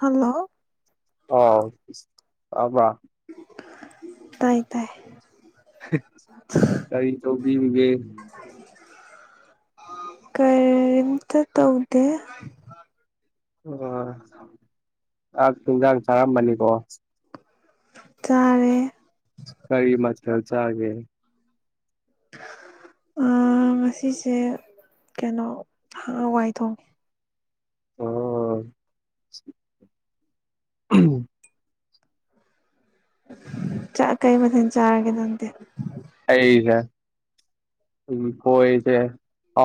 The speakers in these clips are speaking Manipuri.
ꯍꯜꯂꯣ ꯑꯣ ꯑꯃ ꯇꯥꯏ ꯇꯥꯏ ꯀꯔꯤ ꯇꯕꯤꯒꯦ ꯀꯔꯤꯝꯇ ꯇꯧꯗꯦ ꯑꯣ ꯑꯥꯛ ꯅꯨꯡꯖꯡ ꯆꯥꯔꯝꯕꯅꯤꯀꯣ ꯆꯥꯔꯦ ꯀꯔꯤ ꯃꯆꯦꯜ ꯆꯥꯒꯦ [inaudible] ꯉꯁꯤꯁꯦ ꯀꯩꯅꯣ ꯍꯋꯥꯏ ꯊꯣꯡꯉꯦ ꯑ ꯆ ꯀꯩ ꯃꯊ ꯆꯥꯔꯒꯦꯗꯇꯦ [inaudible] ꯎ ꯍꯣꯏꯁꯦ ꯑ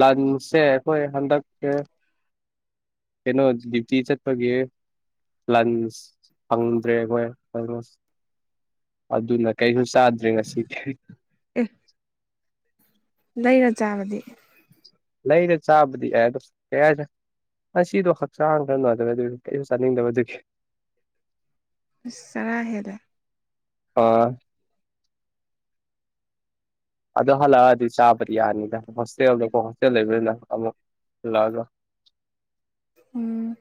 ꯂꯟꯆꯁ ꯑꯩꯣꯏ ꯍꯟꯗꯛ ꯀꯩꯅꯣꯇ ꯆꯠꯄꯒꯤ ꯂꯟꯁ ꯐꯪꯗ꯭ꯔꯦ ꯑꯩꯈꯣꯏ ꯑꯣꯜꯃꯣꯁ ꯑꯗꯨꯅ ꯀꯩꯁꯨ ꯆꯥꯗ꯭ꯔꯦ ꯉꯁꯤꯗꯤ ꯏꯍ ꯂꯩꯔ ꯆꯥꯕꯗꯤ ꯂꯩꯥꯏꯅꯦ ꯆꯥꯕꯤ ꯑꯦꯗ ꯀ ꯑꯁꯤꯗꯣ ꯍꯛꯆꯥꯡꯗ ꯅꯨꯡꯉꯗꯕ ꯑꯗꯨ ꯀꯩꯁꯨ ꯆꯥꯅꯤꯡꯗꯕ ꯑꯗꯨꯒꯤ ꯁꯔꯥ ꯍꯦꯂ ꯑꯥ ꯑꯗꯨ ꯍꯜꯂꯛꯑꯗꯤ ꯆꯥꯕꯗꯤ ꯌꯥꯅꯤꯗ ꯍꯣꯁꯇꯦꯜꯗꯀꯣ ꯍꯣꯁꯇꯦꯜ ꯂꯩꯕꯅꯤꯅ ꯑꯃꯨꯛ ꯂꯥꯛꯒ ꯎꯝ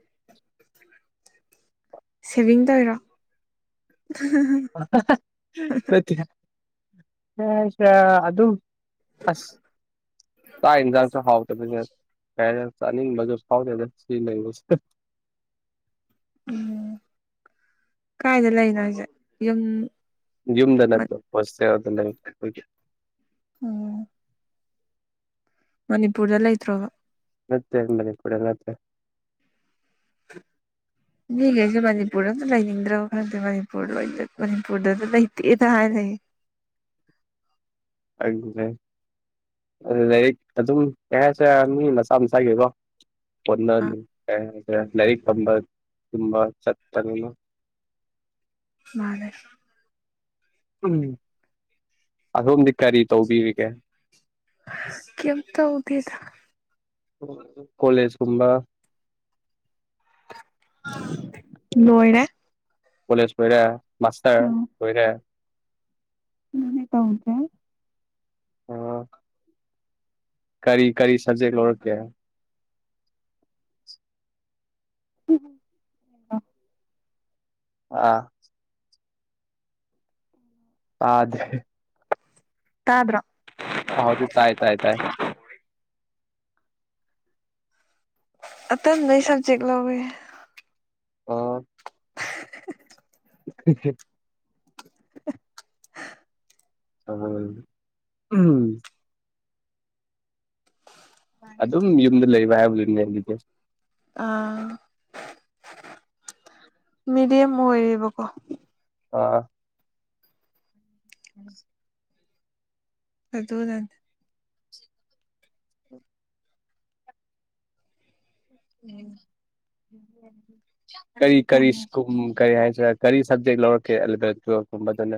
ꯁꯦꯚꯤꯡ ꯇ ꯑꯣꯏꯔꯣ ꯁ ꯑꯗꯨ ꯑꯗꯨ ꯑꯁ ꯀ ꯏꯟꯖꯥꯟ ꯆ ꯍꯥꯎ ꯇꯅꯤ ꯃꯖ ꯐꯥꯎꯗ ꯁꯤ ꯂꯩ ꯎꯝ ꯀꯥꯏꯗ ꯂꯩꯅꯣ ꯑꯩꯁꯦ ꯌꯨꯝ ꯌꯨꯝꯗ ꯅꯠꯇꯣꯣꯁꯗ ꯂꯩ ꯑꯣꯝ ꯃꯅꯤꯄꯨꯔꯗ ꯂꯩꯇ꯭ꯔꯣꯕ ꯃꯠꯇꯦ ꯍꯡ ꯃꯅꯤ ꯀ ꯅꯠꯇꯦ [inaudible] ꯃꯤꯈꯩꯁꯨꯦ ꯃꯅꯤꯄꯨꯔꯗ ꯑꯝꯇ ꯂꯩꯅꯤꯡꯗ꯭ꯔꯕ ꯈꯪꯗꯦ ꯃꯅꯤꯄꯨꯔ ꯂ ꯃꯅꯤꯄꯨꯔꯗꯁꯨ ꯂꯩꯇꯦ ꯇ ꯍꯥꯏꯅꯌꯦ ꯑꯗꯨ ꯑꯗꯨ ꯂꯥꯏꯔꯤꯛ ꯑꯗꯨꯝ ꯀꯌꯥꯁꯨ ꯃꯤ ꯃꯆꯥꯥ ꯃꯁꯥꯒꯤꯀꯣ ꯑ ꯄꯟꯅꯅꯤ ꯅꯔꯤ ꯀꯝꯕ ꯇꯕ ꯆꯠꯇꯅ ꯃꯥꯅꯦ ꯎꯝ ꯑꯗꯣꯝꯗꯤ ꯀꯔꯤ ꯇꯧꯕꯤꯔꯤꯒꯦ ꯀꯝꯇ ꯎꯕꯤꯦꯗ ꯀꯣꯂꯦꯖꯀꯨꯝꯕ ꯂꯣꯏꯔꯦ ꯀꯣꯂꯦꯖ ꯑꯣꯏꯔꯦ ꯃꯥꯁꯇꯔ ꯑꯣꯏꯔꯦ ꯎ ꯇ ꯎꯗ꯭ꯔꯦ ꯑꯣ ꯀꯔꯤ ꯀꯔꯤ ꯁꯕꯖꯦꯛ ꯂꯧꯔꯛꯀꯦ ꯎ ꯑꯥ ꯑꯥꯗ ꯇꯥꯕ꯭ꯔꯣ ꯍꯗꯤꯥꯏ ꯇꯥꯏ ꯇꯥꯏ ꯑꯇꯩ ꯅ ꯁ ꯆꯦꯛ ꯂꯧꯋꯦ ꯑ ꯀꯀꯦ ꯆꯃꯝ ꯑꯗꯨꯝ ꯌꯨꯝꯗ ꯂꯩꯕ ꯍꯥꯏꯕꯗꯨꯅꯦ ꯑꯗꯨꯗꯤ ꯑ ꯃꯤꯦꯗꯤꯝ ꯑꯣꯏꯔꯔꯤꯕ ꯀꯣ ꯑꯥ ꯑꯝ ꯑꯗꯣ ꯅꯗ ꯀꯔꯤ ꯌꯥꯝ ꯀꯔꯤ ꯁ꯭ꯀꯨꯝ ꯀꯔꯤ ꯍꯥꯏꯁꯤꯔ ꯀꯔꯤ ꯁꯕꯖꯦꯛ ꯂꯧꯔꯛꯀꯦ ꯑꯦꯂꯚꯦꯟ ꯇꯨꯋꯦꯜꯀꯨꯝꯕꯗꯨꯅ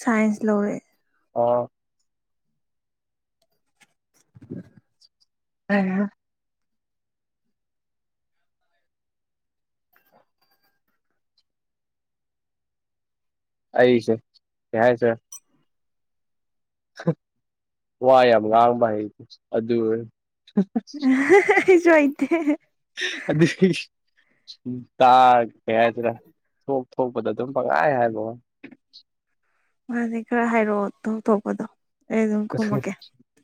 ꯁꯥꯏꯟꯁ ꯂꯧꯔꯦ ꯑ ꯎ ꯑ ꯑꯩꯁꯦ ꯀꯥꯏꯁ ꯋꯥꯏ ꯌꯥꯝ ꯉꯥꯡꯕ ꯍꯥꯏ ꯑꯗꯨ ꯁꯨꯣ ꯑꯥꯏꯗꯦ ꯑꯗꯨ ꯇ ꯀꯌꯥꯆꯔ ꯊꯣꯛ ꯊꯣꯛꯄꯗ ꯑꯗꯨꯝ ꯄꯉꯥꯏ ꯍꯥꯏꯕ ꯃꯥꯅꯦ ꯈꯔ ꯍꯥꯏꯔꯛꯑꯣ ꯇ ꯊꯣꯛꯄꯗꯣ ꯑꯩ ꯑꯗꯨꯝ ꯈꯨꯝꯃꯛꯀꯦ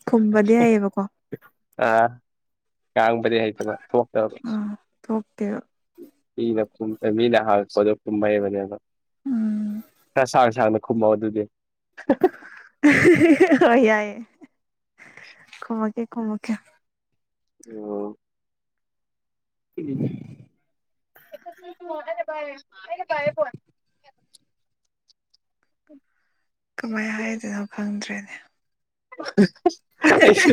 ꯈꯨꯝꯕꯗꯤ ꯍꯌꯦꯕꯀꯣ ꯀꯕꯗꯤ ꯍꯥꯏꯂ ꯍ ꯑꯥ ꯊꯣꯛꯇꯦꯕ ꯂ ꯃꯤꯂ ꯍꯥ ꯑꯗꯨ ꯇꯑꯕꯅꯦꯅ ꯎꯝ ꯀꯁꯥ ꯀꯨꯝꯕꯥꯎ ꯑꯗꯨꯗꯤ [unintelligible] ꯌꯥꯑ ꯈꯃꯀꯦ ꯈꯃꯀꯦ ꯑꯣ ꯎꯝ ꯇꯔꯦꯩꯅ ꯇꯔꯦ ꯐ ꯀꯃꯥꯏ ꯍꯥꯏꯗꯣꯏꯅꯣ ꯈꯪꯗ꯭ꯔꯦꯅꯦ ꯑꯩꯁꯨ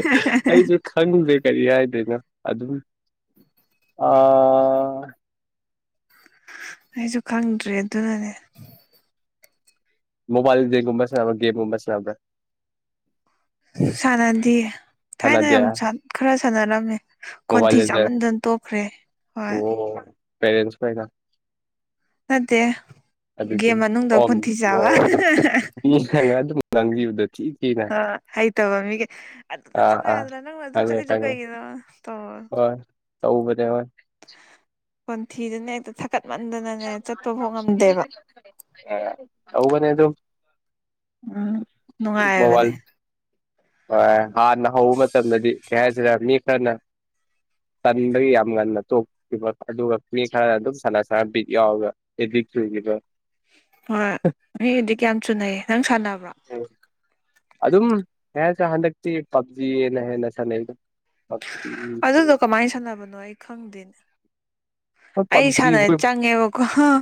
ꯑꯩꯁꯨ ꯈꯪꯗꯦ ꯀꯔꯤ ꯍꯥꯏꯗꯣꯏꯅꯣ ꯑꯗꯨꯝ ꯑꯣ ꯑꯩꯁꯨ ꯈꯪꯗ꯭ꯔꯦ ꯑꯗꯨꯅꯅꯦ ꯃꯣꯕꯥꯏꯜ ꯗꯒꯨꯝꯕꯁ꯭ꯔ ꯦꯦꯝꯒꯨꯝꯕꯁꯅꯕ꯭ꯔ ꯁꯔꯗꯤ ꯊꯥꯏꯅ ꯌꯥꯝ ꯈꯔ ꯁꯥꯟꯅꯔꯝꯃꯦ ꯈꯣꯟꯊꯤ ꯆꯥꯃꯟꯗꯅ ꯇꯣꯛꯈ꯭ꯔꯦ ꯍꯣꯏ ꯋꯥ ꯄꯦꯔꯦꯟꯁ ꯄꯦꯒ ꯅꯠꯇꯦ ꯒꯦꯝ ꯃꯅꯨꯡꯗ ꯑꯣ ꯈꯣꯟꯊꯤ ꯆꯥꯕ ꯑꯣ ꯃꯤꯅ ꯑꯗꯨꯝ ꯉꯥꯡꯕꯤꯕꯗꯣ ꯊꯤ ꯊꯤꯅ ꯑ ꯍ ꯇꯕ ꯃꯤꯒ ꯑꯗꯨꯗ ꯑꯥ ꯆꯠꯂ ꯑꯥ ꯌꯥꯗ꯭ꯔꯥ ꯅꯪꯅ ꯑꯗꯨ ꯈꯪꯉꯦ ꯆꯠꯂꯤꯁꯨ ꯈꯪꯉꯦ ꯀꯩꯒꯤꯅꯣ ꯇꯧ ꯍꯣꯏ ꯑꯕꯥꯏ ꯋꯥ ꯄꯟꯊꯤꯗꯅ ꯍ‌ꯦꯛꯇ ꯊ [unintelligible] ꯑꯥ ꯇꯧꯕꯅ‌ꯦ ꯗꯨꯝ ꯎꯝ ꯅꯨꯡꯉꯥꯏꯕꯅ‌ꯦ ꯃꯣꯕꯥꯏꯜ ꯍꯣꯏ ꯍꯥꯟꯅ ꯍꯧꯕ ꯃꯇꯝꯗꯗꯤ ꯀꯩ ꯍꯥꯏꯁꯤꯔꯦ ꯃꯤ ꯈꯔꯅ ꯇꯟꯕꯒꯤ ꯌꯥꯝ ꯉꯟꯅ ꯇꯣꯛꯈꯤꯕ ꯑꯗꯨꯒ ꯃꯤ ꯈꯔ ꯑꯗꯨꯝ ꯁꯥꯅ ꯁꯥꯅ ꯕꯤꯠ ꯌꯥꯎꯔꯒ [unintelligible] [unintelligible] ꯒꯦꯒ ꯍꯣꯏ ꯃꯤꯗꯤ ꯀꯌꯥꯝ ꯆꯨꯅꯩ ꯅꯪ ꯁꯥꯟꯅꯕ꯭ꯔꯣ ꯑꯗꯨꯝ ꯀꯩ ꯍꯥꯏꯇꯥꯔ‌ꯦ ꯍꯟꯗꯛ ꯇꯤ ꯄꯞꯖꯤꯅ ꯍ‌ꯦꯟꯅ ꯁꯟꯅꯩꯗ ꯑꯗꯨꯗꯣ ꯀꯃꯥꯏꯅ ꯁꯥꯟꯅꯕꯅꯣ ꯑꯩ ꯈꯪꯗꯦꯅꯦ ꯍꯣꯏ ꯑꯩ ꯄꯞꯖꯤ ꯁꯥꯟꯅ ꯍꯣꯏ ꯆꯪꯉꯦꯕꯀꯣ ꯍꯥꯥ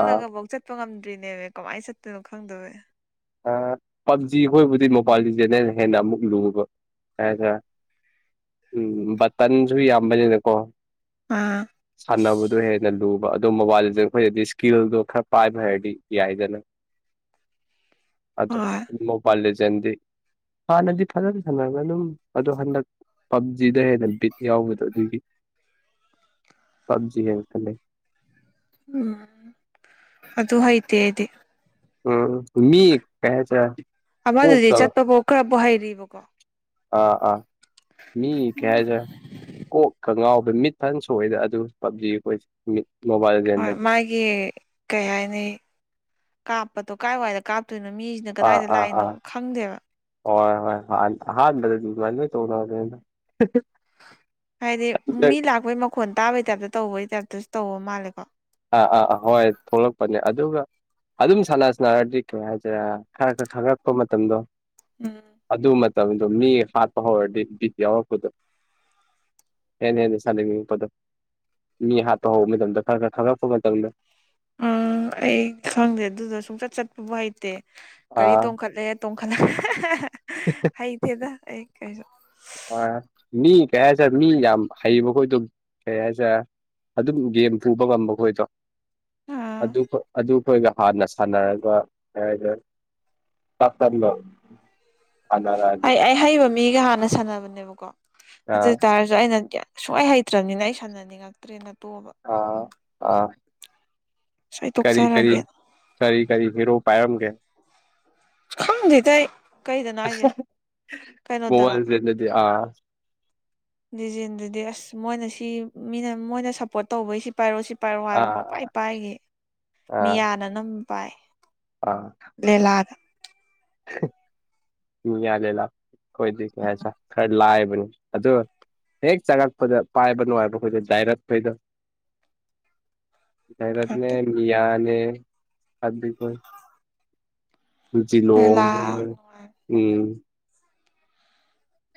ꯑꯥ ꯆꯠꯄ ꯉꯝ ꯆꯠꯇ꯭ꯔꯤꯅꯦꯃ‌ꯦ ꯀꯃꯥꯏꯅ ꯆꯠꯇꯣꯏꯅꯣ ꯈꯪꯗꯕꯩ ꯄꯞꯖꯤ ꯈꯣꯏꯕꯨꯗꯤ ꯃꯣꯕꯥꯏꯜ ꯁꯦꯅꯅ ꯍꯦꯟꯅ ꯑꯃꯨꯛ ꯂꯨꯕ ꯍꯥꯏꯇꯥꯔꯦ ꯎꯝ ꯕꯇꯟꯁꯨ ꯌꯥꯝꯕꯅꯤꯅꯀꯣ ꯑꯥ ꯁꯅꯕꯗꯨ ꯍꯦ ꯅꯜꯂꯨ ꯑꯗꯨ ꯃꯣꯕꯥꯏꯜꯗ ꯑꯩꯈꯣꯏꯗꯗꯤ ꯏꯁꯀꯤꯜꯗꯣ ꯈꯔ ꯄꯥꯏꯕ ꯍꯥꯏꯔꯗꯤ ꯌꯥꯏꯗꯅ ꯑꯗꯣ ꯍꯣꯏ ꯃꯣ ꯄꯜꯂꯤ ꯆꯟꯇꯗꯤ ꯍꯥꯟꯅꯗꯤ ꯐꯖꯅ ꯁꯥꯟꯅꯔꯒꯦ ꯑꯗꯨꯝ ꯑꯗꯣ ꯍꯟꯗꯛ ꯄꯞꯖꯤꯗ ꯍꯦꯟꯅ ꯕꯤꯠ ꯌꯥꯎꯕꯗꯣ ꯑꯗꯨꯒꯤ ꯄꯥꯟꯖꯤ ꯍꯦꯜ ꯈꯜꯂꯩ ꯎꯝ ꯑꯗꯨ ꯍꯩꯇ‌ꯦ ꯑꯩꯗꯤ ꯎꯝ ꯃꯤ ꯀꯌꯥ ꯆ ꯑꯃꯗꯨꯗꯤ ꯆꯠꯄꯐꯥꯎ ꯈꯔꯐꯥꯎ ꯍꯩꯔꯤꯕꯀꯣ ꯑꯥ ꯑꯥ ꯃꯤ ꯀꯩ ꯍꯥꯏꯖꯤꯔꯦ ꯀꯣꯛ ꯀ ꯉꯥꯎ ꯕ ꯃꯤꯠ ꯐꯖꯅ ꯁꯣꯛꯏꯗ ꯑꯗꯨ ꯄꯕꯖꯤ ꯑꯩꯈꯣꯏ ꯃꯤꯠ ꯃꯣꯕꯥꯏꯜ ꯂꯦꯖꯦꯟ ꯍꯣꯏ ꯂꯩ ꯃꯥꯒꯤ ꯀꯩ ꯍꯥꯏꯅꯤ ꯀꯥꯞꯄꯗꯣ ꯀꯥꯏꯋꯥꯏꯗ ꯀꯥꯞ ꯑꯗꯨꯅ ꯃꯤꯁꯤꯅ ꯑꯥ ꯀꯗꯥꯏꯗ ꯂꯥꯛꯏꯅꯣ ꯈꯪꯗꯦꯕ ꯍꯣꯏ ꯍ‌ꯣꯏ ꯍ‌ꯣꯏ ꯑꯥ ꯑꯍꯥꯟꯕꯗꯗꯤ ꯑꯗꯨꯃꯥꯏ ꯂ‌ꯣꯏ ꯇꯧꯅꯕꯅ‌ꯦꯗ ꯍꯥꯏꯗꯤ ꯃꯤ ꯂꯥꯛꯄꯩ ꯃꯈꯣꯟ ꯇꯥꯕꯩ ꯇꯥꯏꯞꯇ ꯇꯧꯕꯩ ꯇꯥꯏꯞꯇꯁꯨ ꯇꯧꯕ ꯃꯥꯜꯂꯦꯀꯣ ꯑꯥ ꯑꯥ ꯑꯥ ꯍꯣꯏ ꯊꯣꯛꯂꯛꯄꯅꯦ ꯑꯗꯨꯒ ꯑꯗꯨꯝ ꯁꯥꯟꯅ ꯁꯥꯟꯅꯔꯗꯤ ꯀꯩ ꯍꯥꯏꯗꯨꯏꯔꯦ ꯈꯔ ꯈꯔ ꯈꯪꯉꯛꯄ ꯃꯇꯝꯗꯣ ꯎꯝ ꯑꯗꯨ ꯃꯇꯝ ꯇꯝꯗ‌ꯣ ꯃꯤ ꯍꯥꯠꯄ ꯍꯧꯔꯛꯑꯗꯤ ꯕꯤꯠ ꯌꯥꯎꯔꯛꯄꯗ‌ꯣ ꯍꯦꯟꯅ ꯍꯦꯟꯅ ꯁꯥꯥꯟꯅꯅꯤꯡꯉꯛꯄꯗꯣ ꯃꯤ ꯍꯥꯠꯄ ꯍꯧꯕ ꯃꯇꯝꯗ ꯈꯔ ꯈꯔ ꯈꯪꯉꯛ ꯄ ꯃꯇꯝꯗ ꯑ ꯑꯩ ꯈꯪꯗꯦ ꯑꯗꯨꯗ ꯁꯨꯡꯆꯠ ꯆꯠꯄꯕꯨ ꯍꯩꯇꯦ ꯒꯥꯔꯤ ꯑꯥ ꯇꯣꯡꯈꯠꯂꯦ ꯇꯣꯡꯈꯠꯂ ꯍꯥ ꯍꯥ ꯍꯥ ꯍꯩꯇꯦꯗ ꯑꯩ ꯀꯩꯁꯨ ꯑ ꯃꯤ ꯀꯌꯥ ꯆꯠ ꯃꯤ ꯌꯥꯝ ꯍꯩꯕ ꯈꯣꯏꯗ‌ꯣ ꯀꯩ ꯍꯥꯏꯖꯤꯔꯦ ꯑꯗꯨꯝ ꯒꯦꯝ ꯄꯨꯕ ꯉꯝꯕ ꯑꯩꯈꯣꯏꯗꯣ ꯑꯥ ꯑꯗꯨ ꯑꯗꯨꯈꯣꯏꯒ ꯍꯥꯟꯅ ꯁꯥꯟꯅꯔꯒ ꯍꯥꯏꯅ ꯇꯥꯛꯇꯝꯕ ꯑꯩ ꯑꯩ ꯍꯩꯕ ꯃꯤꯒ ꯍꯥꯟꯅ ꯁꯥꯟꯅꯕꯅꯦꯕꯀꯣ ꯑꯗꯨ ꯑꯥ ꯑꯣꯏꯇꯥꯔꯁꯨ ꯑꯩꯅ ꯌꯥꯝ ꯁꯨꯡꯍꯩ ꯍꯩꯇ꯭ꯔꯝꯅꯤꯅ ꯑꯩ ꯁꯥꯟꯅꯅꯤꯉꯛꯇ꯭ꯔꯦꯅ ꯑꯥ ꯑꯥ ꯑꯁ ꯑꯩ ꯀꯔꯤ ꯀꯔꯤ ꯇꯣꯛꯆꯔꯒꯦ ꯀꯔꯤ ꯀꯔꯤ ꯍꯦꯔꯣ ꯄꯥꯏꯔꯝꯒꯦ ꯈꯪꯗ‌ꯦꯗ ꯑꯩ ꯀꯩꯗꯅ‌ꯣ ꯍꯥꯏꯁ‌ꯦ ꯀꯩꯅꯣꯗꯔꯣ ꯃꯣꯕꯥꯏꯜ ꯂꯤꯖꯦꯟꯗꯗꯤ ꯑꯥ ꯗꯤꯖꯤꯟꯗꯨꯗꯤ ꯑꯁ ꯃꯣꯏꯅ ꯁꯤ ꯃꯤꯅ ꯃꯣꯏꯅ ꯁꯞꯄꯣꯔꯠ ꯇꯧꯕꯩ ꯁꯤ ꯄꯥꯏꯔꯛꯑꯣ ꯁꯤ ꯄꯥꯏꯔ‌ꯣ ꯍꯥꯏꯕ ꯑꯥ ꯄꯪꯄꯥꯏ ꯄꯥꯏꯈꯤ ꯑꯥ ꯃꯤꯌꯥꯅ ꯑꯅꯝꯕ ꯄꯥꯏ ꯑꯥ ꯂ‌ꯦꯂꯥ ꯒ [unintelligible] ꯃꯤꯌꯥ ꯂ‌ꯦꯂꯥ ꯈ‌ꯣꯏꯗꯤ ꯀꯩ ꯍꯥꯏꯁꯤꯔꯥ ꯈꯔ ꯂꯥꯏꯕ ꯕꯨꯅꯤ ꯑꯗꯨ ꯍꯦꯛ ꯆꯪꯉꯛꯄꯗ ꯄꯥꯏꯕ ꯅꯨꯡꯉꯥꯏꯕ ꯈꯣꯏꯗ ꯗꯥꯏꯔꯠ ꯍꯩꯗꯣ ꯗꯥꯏꯔꯠꯅꯦ ꯈꯪꯗꯦ ꯃꯤꯌꯥꯅꯦ ꯑꯞꯕꯤꯈ‌ꯣꯏ ꯖꯤ ꯂꯣꯡ ꯂꯦꯂꯥ ꯍꯣꯏ ꯎꯝ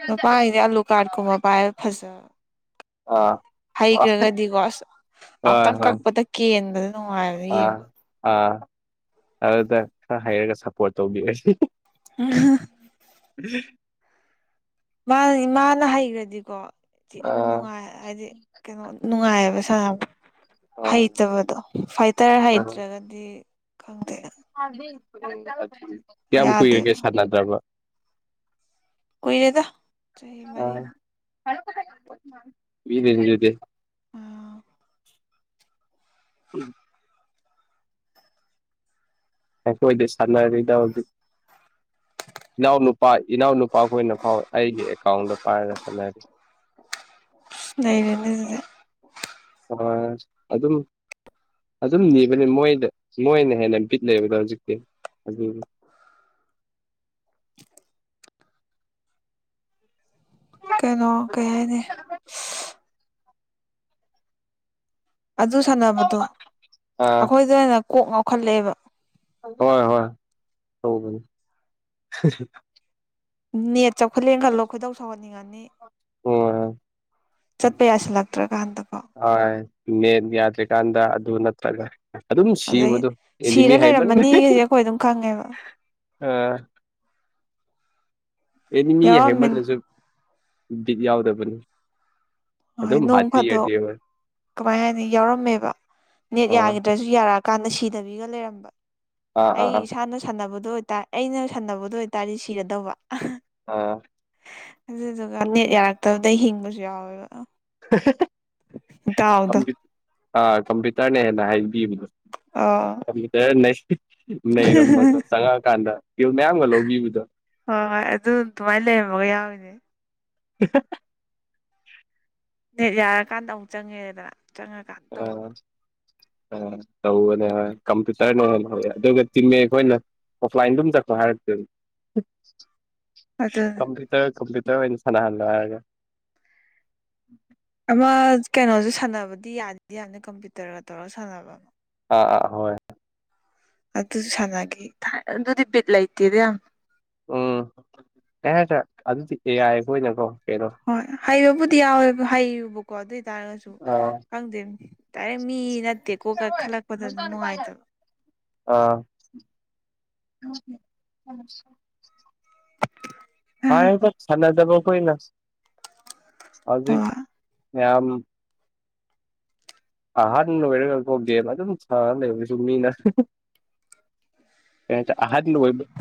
ꯅꯨꯄꯥꯒꯤꯗꯤ ꯑꯥꯂꯨ ꯀꯥꯔꯠꯀꯨꯝꯕ ꯄꯥꯏ ꯐꯖꯕ ꯑꯥ ꯍꯣꯏ ꯍꯩꯈ꯭ꯔꯒꯗꯤꯀꯣ ꯑꯁ ꯑꯃꯨꯛꯇꯪ ꯍꯣꯏ ꯀꯛꯄꯗ ꯀꯦꯟꯕꯗ ꯅꯨꯡꯉꯥꯏꯕꯗ ꯑꯥ ꯌꯦꯡꯕꯗ ꯑꯥ ꯑꯗꯨꯗ ꯈꯔ ꯍꯥꯏꯩꯔꯒ ꯁꯞꯄꯣꯔꯠ ꯇꯧꯕꯤꯔꯁꯤ ꯑ ꯎꯝ ꯃꯥ ꯏꯃꯥꯅ ꯍꯩꯈ꯭ꯔꯗꯤꯀꯣ ꯑꯥ ꯅꯨꯡꯉꯥꯏ ꯍꯥꯏꯗꯤ ꯀꯩꯅꯣ ꯅꯨꯡꯉꯥꯏꯑꯕꯦ ꯍꯩꯇꯕꯗꯣ ꯐꯥꯏꯇꯔ ꯍꯩꯇ꯭ꯔꯒꯗꯤ ꯈꯪꯗꯦ ꯀꯌꯥꯝ ꯌꯥꯗꯦꯕ ꯀꯨꯏꯔꯒꯦ ꯁꯥꯟꯅꯗ꯭ꯔꯕ ꯀꯏꯔꯦꯗ ꯆꯍꯤ ꯃꯥꯔꯤ ꯃꯤꯅꯦꯅꯗꯦ ꯎꯝ ꯑꯈ‌ꯣꯏꯗꯤ ꯁꯥꯟꯅꯔꯤꯗ ꯍꯧꯖꯤꯛ ꯏꯅꯥꯎꯅꯨꯄꯥ ꯏꯅꯥꯎꯅꯨꯄꯥꯈꯣꯏꯅ ꯐꯥꯎ ꯑꯩꯒꯤ ꯑꯦꯀꯥꯎꯟꯗ ꯄꯥꯏꯔꯒ ꯁꯟꯅꯔꯤ [unintelligible] ꯅꯩꯔ‌ꯦꯅ‌ꯦ ꯗꯨꯗꯤ ꯑꯥ ꯑꯗꯨꯝ ꯑꯗꯨꯝ ꯅꯤꯕꯅꯤ ꯃꯣꯏꯗ ꯃꯣꯏꯅ ꯍꯦꯟꯅ ꯕꯤꯠ ꯂꯩꯕꯗꯣ ꯍꯧꯖꯤꯛꯇꯤ ꯑꯗꯨ [unintelligible] [unintelligible] ꯀꯩꯅꯣ ꯀꯩꯥ ꯍꯥꯏꯅꯤ ꯏꯁ ꯑꯗꯨ ꯁꯥꯟꯅꯕꯗꯣ ꯑꯥ ꯑꯩꯈꯣꯏꯗ ꯑꯣꯏꯅ ꯀꯣꯛ ꯉꯥꯎꯈꯠꯂꯛꯑꯦꯕ ꯍꯣꯏ ꯍꯣꯏ ꯅꯦꯠ ꯆꯥꯎꯈꯠꯂꯦ ꯈꯜꯂꯣ ꯈꯣꯏꯗꯧ ꯁꯧꯍꯟꯅꯤꯡꯉꯅꯤ ꯍꯣꯏ ꯍꯣꯏ ꯆꯠꯄ ꯌꯥꯁꯤꯜꯂꯛꯇ꯭ꯔ ꯀ ꯍꯟꯗꯀꯣ ꯅ ꯌꯥꯗꯦ ꯀꯥꯟꯗ ꯑꯗꯨ ꯅꯠꯇ꯭ꯔꯒ ꯑꯗꯨꯝ ꯑꯗꯩ ꯁꯤꯕꯗꯣ ꯑꯦꯅꯤꯃꯤ ꯁꯤꯔ ꯍꯥꯏꯕꯟ ꯂꯩꯔꯝꯃꯅꯤꯒꯁꯦ ꯑꯩꯈꯣꯏ ꯑꯗꯨꯝ ꯈꯪꯉꯦꯕ ꯑꯝ ꯑꯦꯅꯤ ꯃꯤ ꯌꯥꯎꯔꯝꯃꯤ ꯑꯍꯦꯃꯜꯟꯅꯁꯨ ꯗꯤꯛ ꯌꯥꯎꯗꯕꯅꯤ ꯍꯣꯏ ꯑꯗꯨꯝ ꯅꯣꯡ ꯐꯥꯗꯣꯛ ꯍꯥꯠꯄꯤꯔꯗꯤꯕ ꯀꯃꯥꯏ ꯍꯥꯏꯅꯤ ꯌꯥꯎꯔꯝꯃꯦꯕ ꯅꯦꯠ ꯑꯥ ꯌꯥꯈꯤꯗ꯭ꯔꯁꯨ ꯌꯥꯔꯛ ꯀꯥꯟꯗ ꯁꯤꯗꯕꯤꯒ ꯂꯩꯔꯝꯕ ꯑꯥ ꯑꯥ ꯑꯩ ꯑꯥ ꯏꯁꯥꯅ ꯁꯥꯟꯅꯕ ꯑꯗꯨ ꯑꯣꯏꯇꯥꯔꯦ ꯑꯩꯅ ꯁꯥꯟꯅꯕꯗꯣ ꯑꯣꯏꯇꯥꯔꯗꯤ ꯁꯤꯔꯗꯧꯕ ꯑꯥ ꯑꯗꯨꯗꯨꯒ ꯅꯦꯠ ꯌꯥꯔꯛꯇꯕꯗ ꯍꯤꯡꯕꯁꯨ ꯌꯥꯎꯋꯦꯕ ꯏ ꯇꯥꯎꯗ ꯀꯝꯄ꯭ꯌꯨ ꯑꯥ ꯀꯝꯄ꯭ꯌꯨꯇꯔꯅ ꯍꯦꯟꯅ ꯍꯥꯏꯕꯤꯕꯗꯣ ꯑꯥ ꯀꯝꯄ꯭ꯌꯨꯇꯔ ꯅ ꯅꯩꯔꯝꯕꯗꯣ ꯆꯪꯉꯛꯑꯀꯥꯟꯗ ꯜ ꯃꯌꯥꯝꯒ ꯂꯧꯕꯤꯕꯗꯣ ꯍꯣꯏ ꯍꯣꯏ ꯑꯗꯨ ꯑꯗꯨꯃꯥꯏꯅ ꯂꯩꯔꯝꯃꯒ ꯌꯥꯎꯋꯅꯦ [unintelligible] ꯅꯦꯠ ꯌꯥꯔꯀꯥꯟꯗ ꯑꯃꯨꯛ ꯆꯪꯉꯦꯗꯅ ꯆꯪꯉꯀꯥꯟꯗ ꯇꯧꯕꯗꯣ ꯑ ꯇꯧꯅꯦ ꯀꯝꯄꯌꯨꯇꯔꯅ ꯍꯦꯟꯅ ꯍꯦ ꯑꯗꯨꯒ ꯆꯤꯟꯃꯦ ꯑꯩꯈꯣꯏꯅ ꯑꯣꯐꯂꯥꯏꯟꯗꯝ ꯆꯠꯄꯣ ꯍꯥꯏꯔꯛꯇꯦ ꯑꯗꯨ ꯑꯗꯨꯅꯦ ꯀꯝꯄꯨꯇꯔ ꯀꯝꯄꯨꯇꯔ ꯏꯟꯁꯥꯅ ꯍꯥꯜꯒ ꯑꯃ ꯀꯩꯅꯣꯁꯦ ꯁꯥꯟꯅꯕꯗꯤ ꯌꯥꯗꯗꯤ ꯌꯥꯝꯅꯤ ꯀꯝꯄ꯭ꯌꯨꯇꯔꯒ ꯇꯧꯔꯒ ꯁꯥꯟꯅꯕ ꯑꯃ ꯑꯥ ꯑꯥ ꯍꯣꯏ ꯑꯗꯨꯁꯨ ꯁꯥꯟꯅꯒꯦ ꯑꯗꯨꯗꯤ ꯕꯤꯠ ꯂꯩꯇꯦꯗ ꯌꯥꯝ ꯎꯝ ꯀꯩ ꯍꯥꯏꯗ꯭ꯔꯦ ꯑꯗꯨꯗꯤ ꯑꯦꯌꯥꯕꯣꯏꯅꯀꯣ ꯍꯣꯏ ꯍꯩꯕꯕꯨꯗꯤ ꯌꯥꯎꯋꯦꯕ ꯍꯌꯨꯕꯀꯣ ꯑꯗꯨꯏꯗꯤ ꯍꯥꯏ ꯇꯥꯔꯒꯁꯨ ꯑꯥ ꯈꯪꯗꯦ ꯗꯥꯏꯔꯦꯛ ꯃꯤ ꯅꯠꯇꯦꯀꯣ ꯈꯜꯂꯛꯄꯗ ꯑꯗꯨꯝ ꯅꯨꯡꯉꯥꯏꯇꯕ ꯑꯥ ꯍꯥꯏꯕ ꯁꯥꯟꯅꯗꯕ ꯑꯩꯈꯣꯏꯅ ꯍꯧꯖꯤꯛ ꯍꯣꯏ ꯌꯥꯝ ꯑꯍꯔꯦ ꯦꯃ ꯑꯗꯨ ꯑꯗꯨ ꯊ ꯂꯩꯦꯕ ꯁ ꯃꯤꯅ ꯀ ꯑꯍ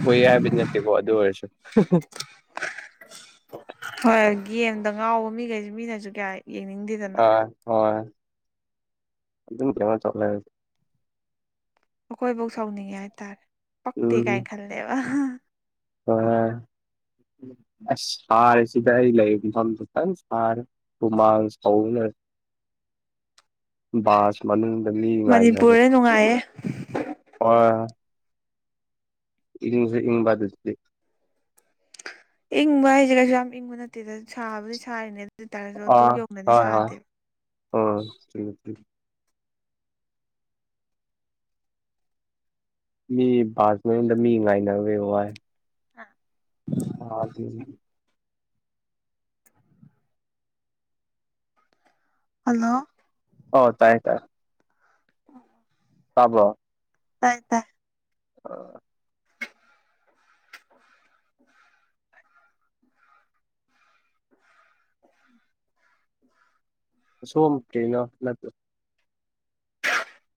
ꯣꯏ ꯌꯥ ꯖꯤꯅꯦꯁ ꯇꯀꯣ ꯑꯗꯨ ꯑꯣꯏꯔꯁ ꯌꯦꯒꯦꯝꯗ ꯉꯥꯎꯕ ꯃꯤꯈꯩꯁꯤ ꯃꯤꯅꯁꯨ ꯀꯌꯥꯏ ꯑ ꯍꯣꯏ ꯑꯗꯨꯝ ꯀꯃ ꯆꯠꯂ ꯑꯩꯈꯣꯏꯐꯧ ꯁꯥꯎꯅꯤꯡꯉꯦ ꯍꯥꯏꯇꯥꯔꯦ ꯄꯛꯇꯦ ꯀꯥꯏꯅ ꯈꯜꯂꯦꯕ ꯑ ꯑꯁ ꯁꯔꯁꯤꯗ ꯑꯩ ꯂꯩꯐꯝꯇꯪ ꯁꯔ ꯍꯨꯃꯥꯡ ꯁꯧꯅ ꯁ ꯃꯅꯤ ꯉꯥꯏ ꯍꯥꯏꯒꯦ ꯃꯅꯤꯄꯨꯔꯗ ꯅꯨꯡꯉꯥꯏꯌꯦ ꯑ ꯏꯁꯦ ꯏꯨꯡꯕꯥꯗꯦ ꯏꯪꯕ ꯍꯥꯏꯁꯦ ꯀꯩꯁꯨ ꯌꯥꯝ ꯏꯪꯕ ꯅꯠꯇꯦꯗ ꯁꯥꯕꯨꯗꯤ ꯁꯥꯔꯤꯅꯦ ꯑꯣꯏꯇꯥꯔꯁꯨ ꯑꯗꯨ ꯑꯥ ꯌꯧꯅꯗꯤ ꯍꯣꯏ ꯍ ꯁꯥꯗꯦꯕ ꯎ ꯃꯤ ꯁꯃꯗ ꯃꯤ ꯉꯥꯏꯅꯦ ꯋꯥ ꯑꯥ ꯍꯜꯂꯣ ꯍꯣ ꯇꯥꯏ ꯇꯥꯏ ꯇꯕꯣ ꯇꯥꯏ ꯇꯥꯏ ꯑ ꯁꯣꯃ ꯀꯩꯅꯣ ꯅꯠꯇ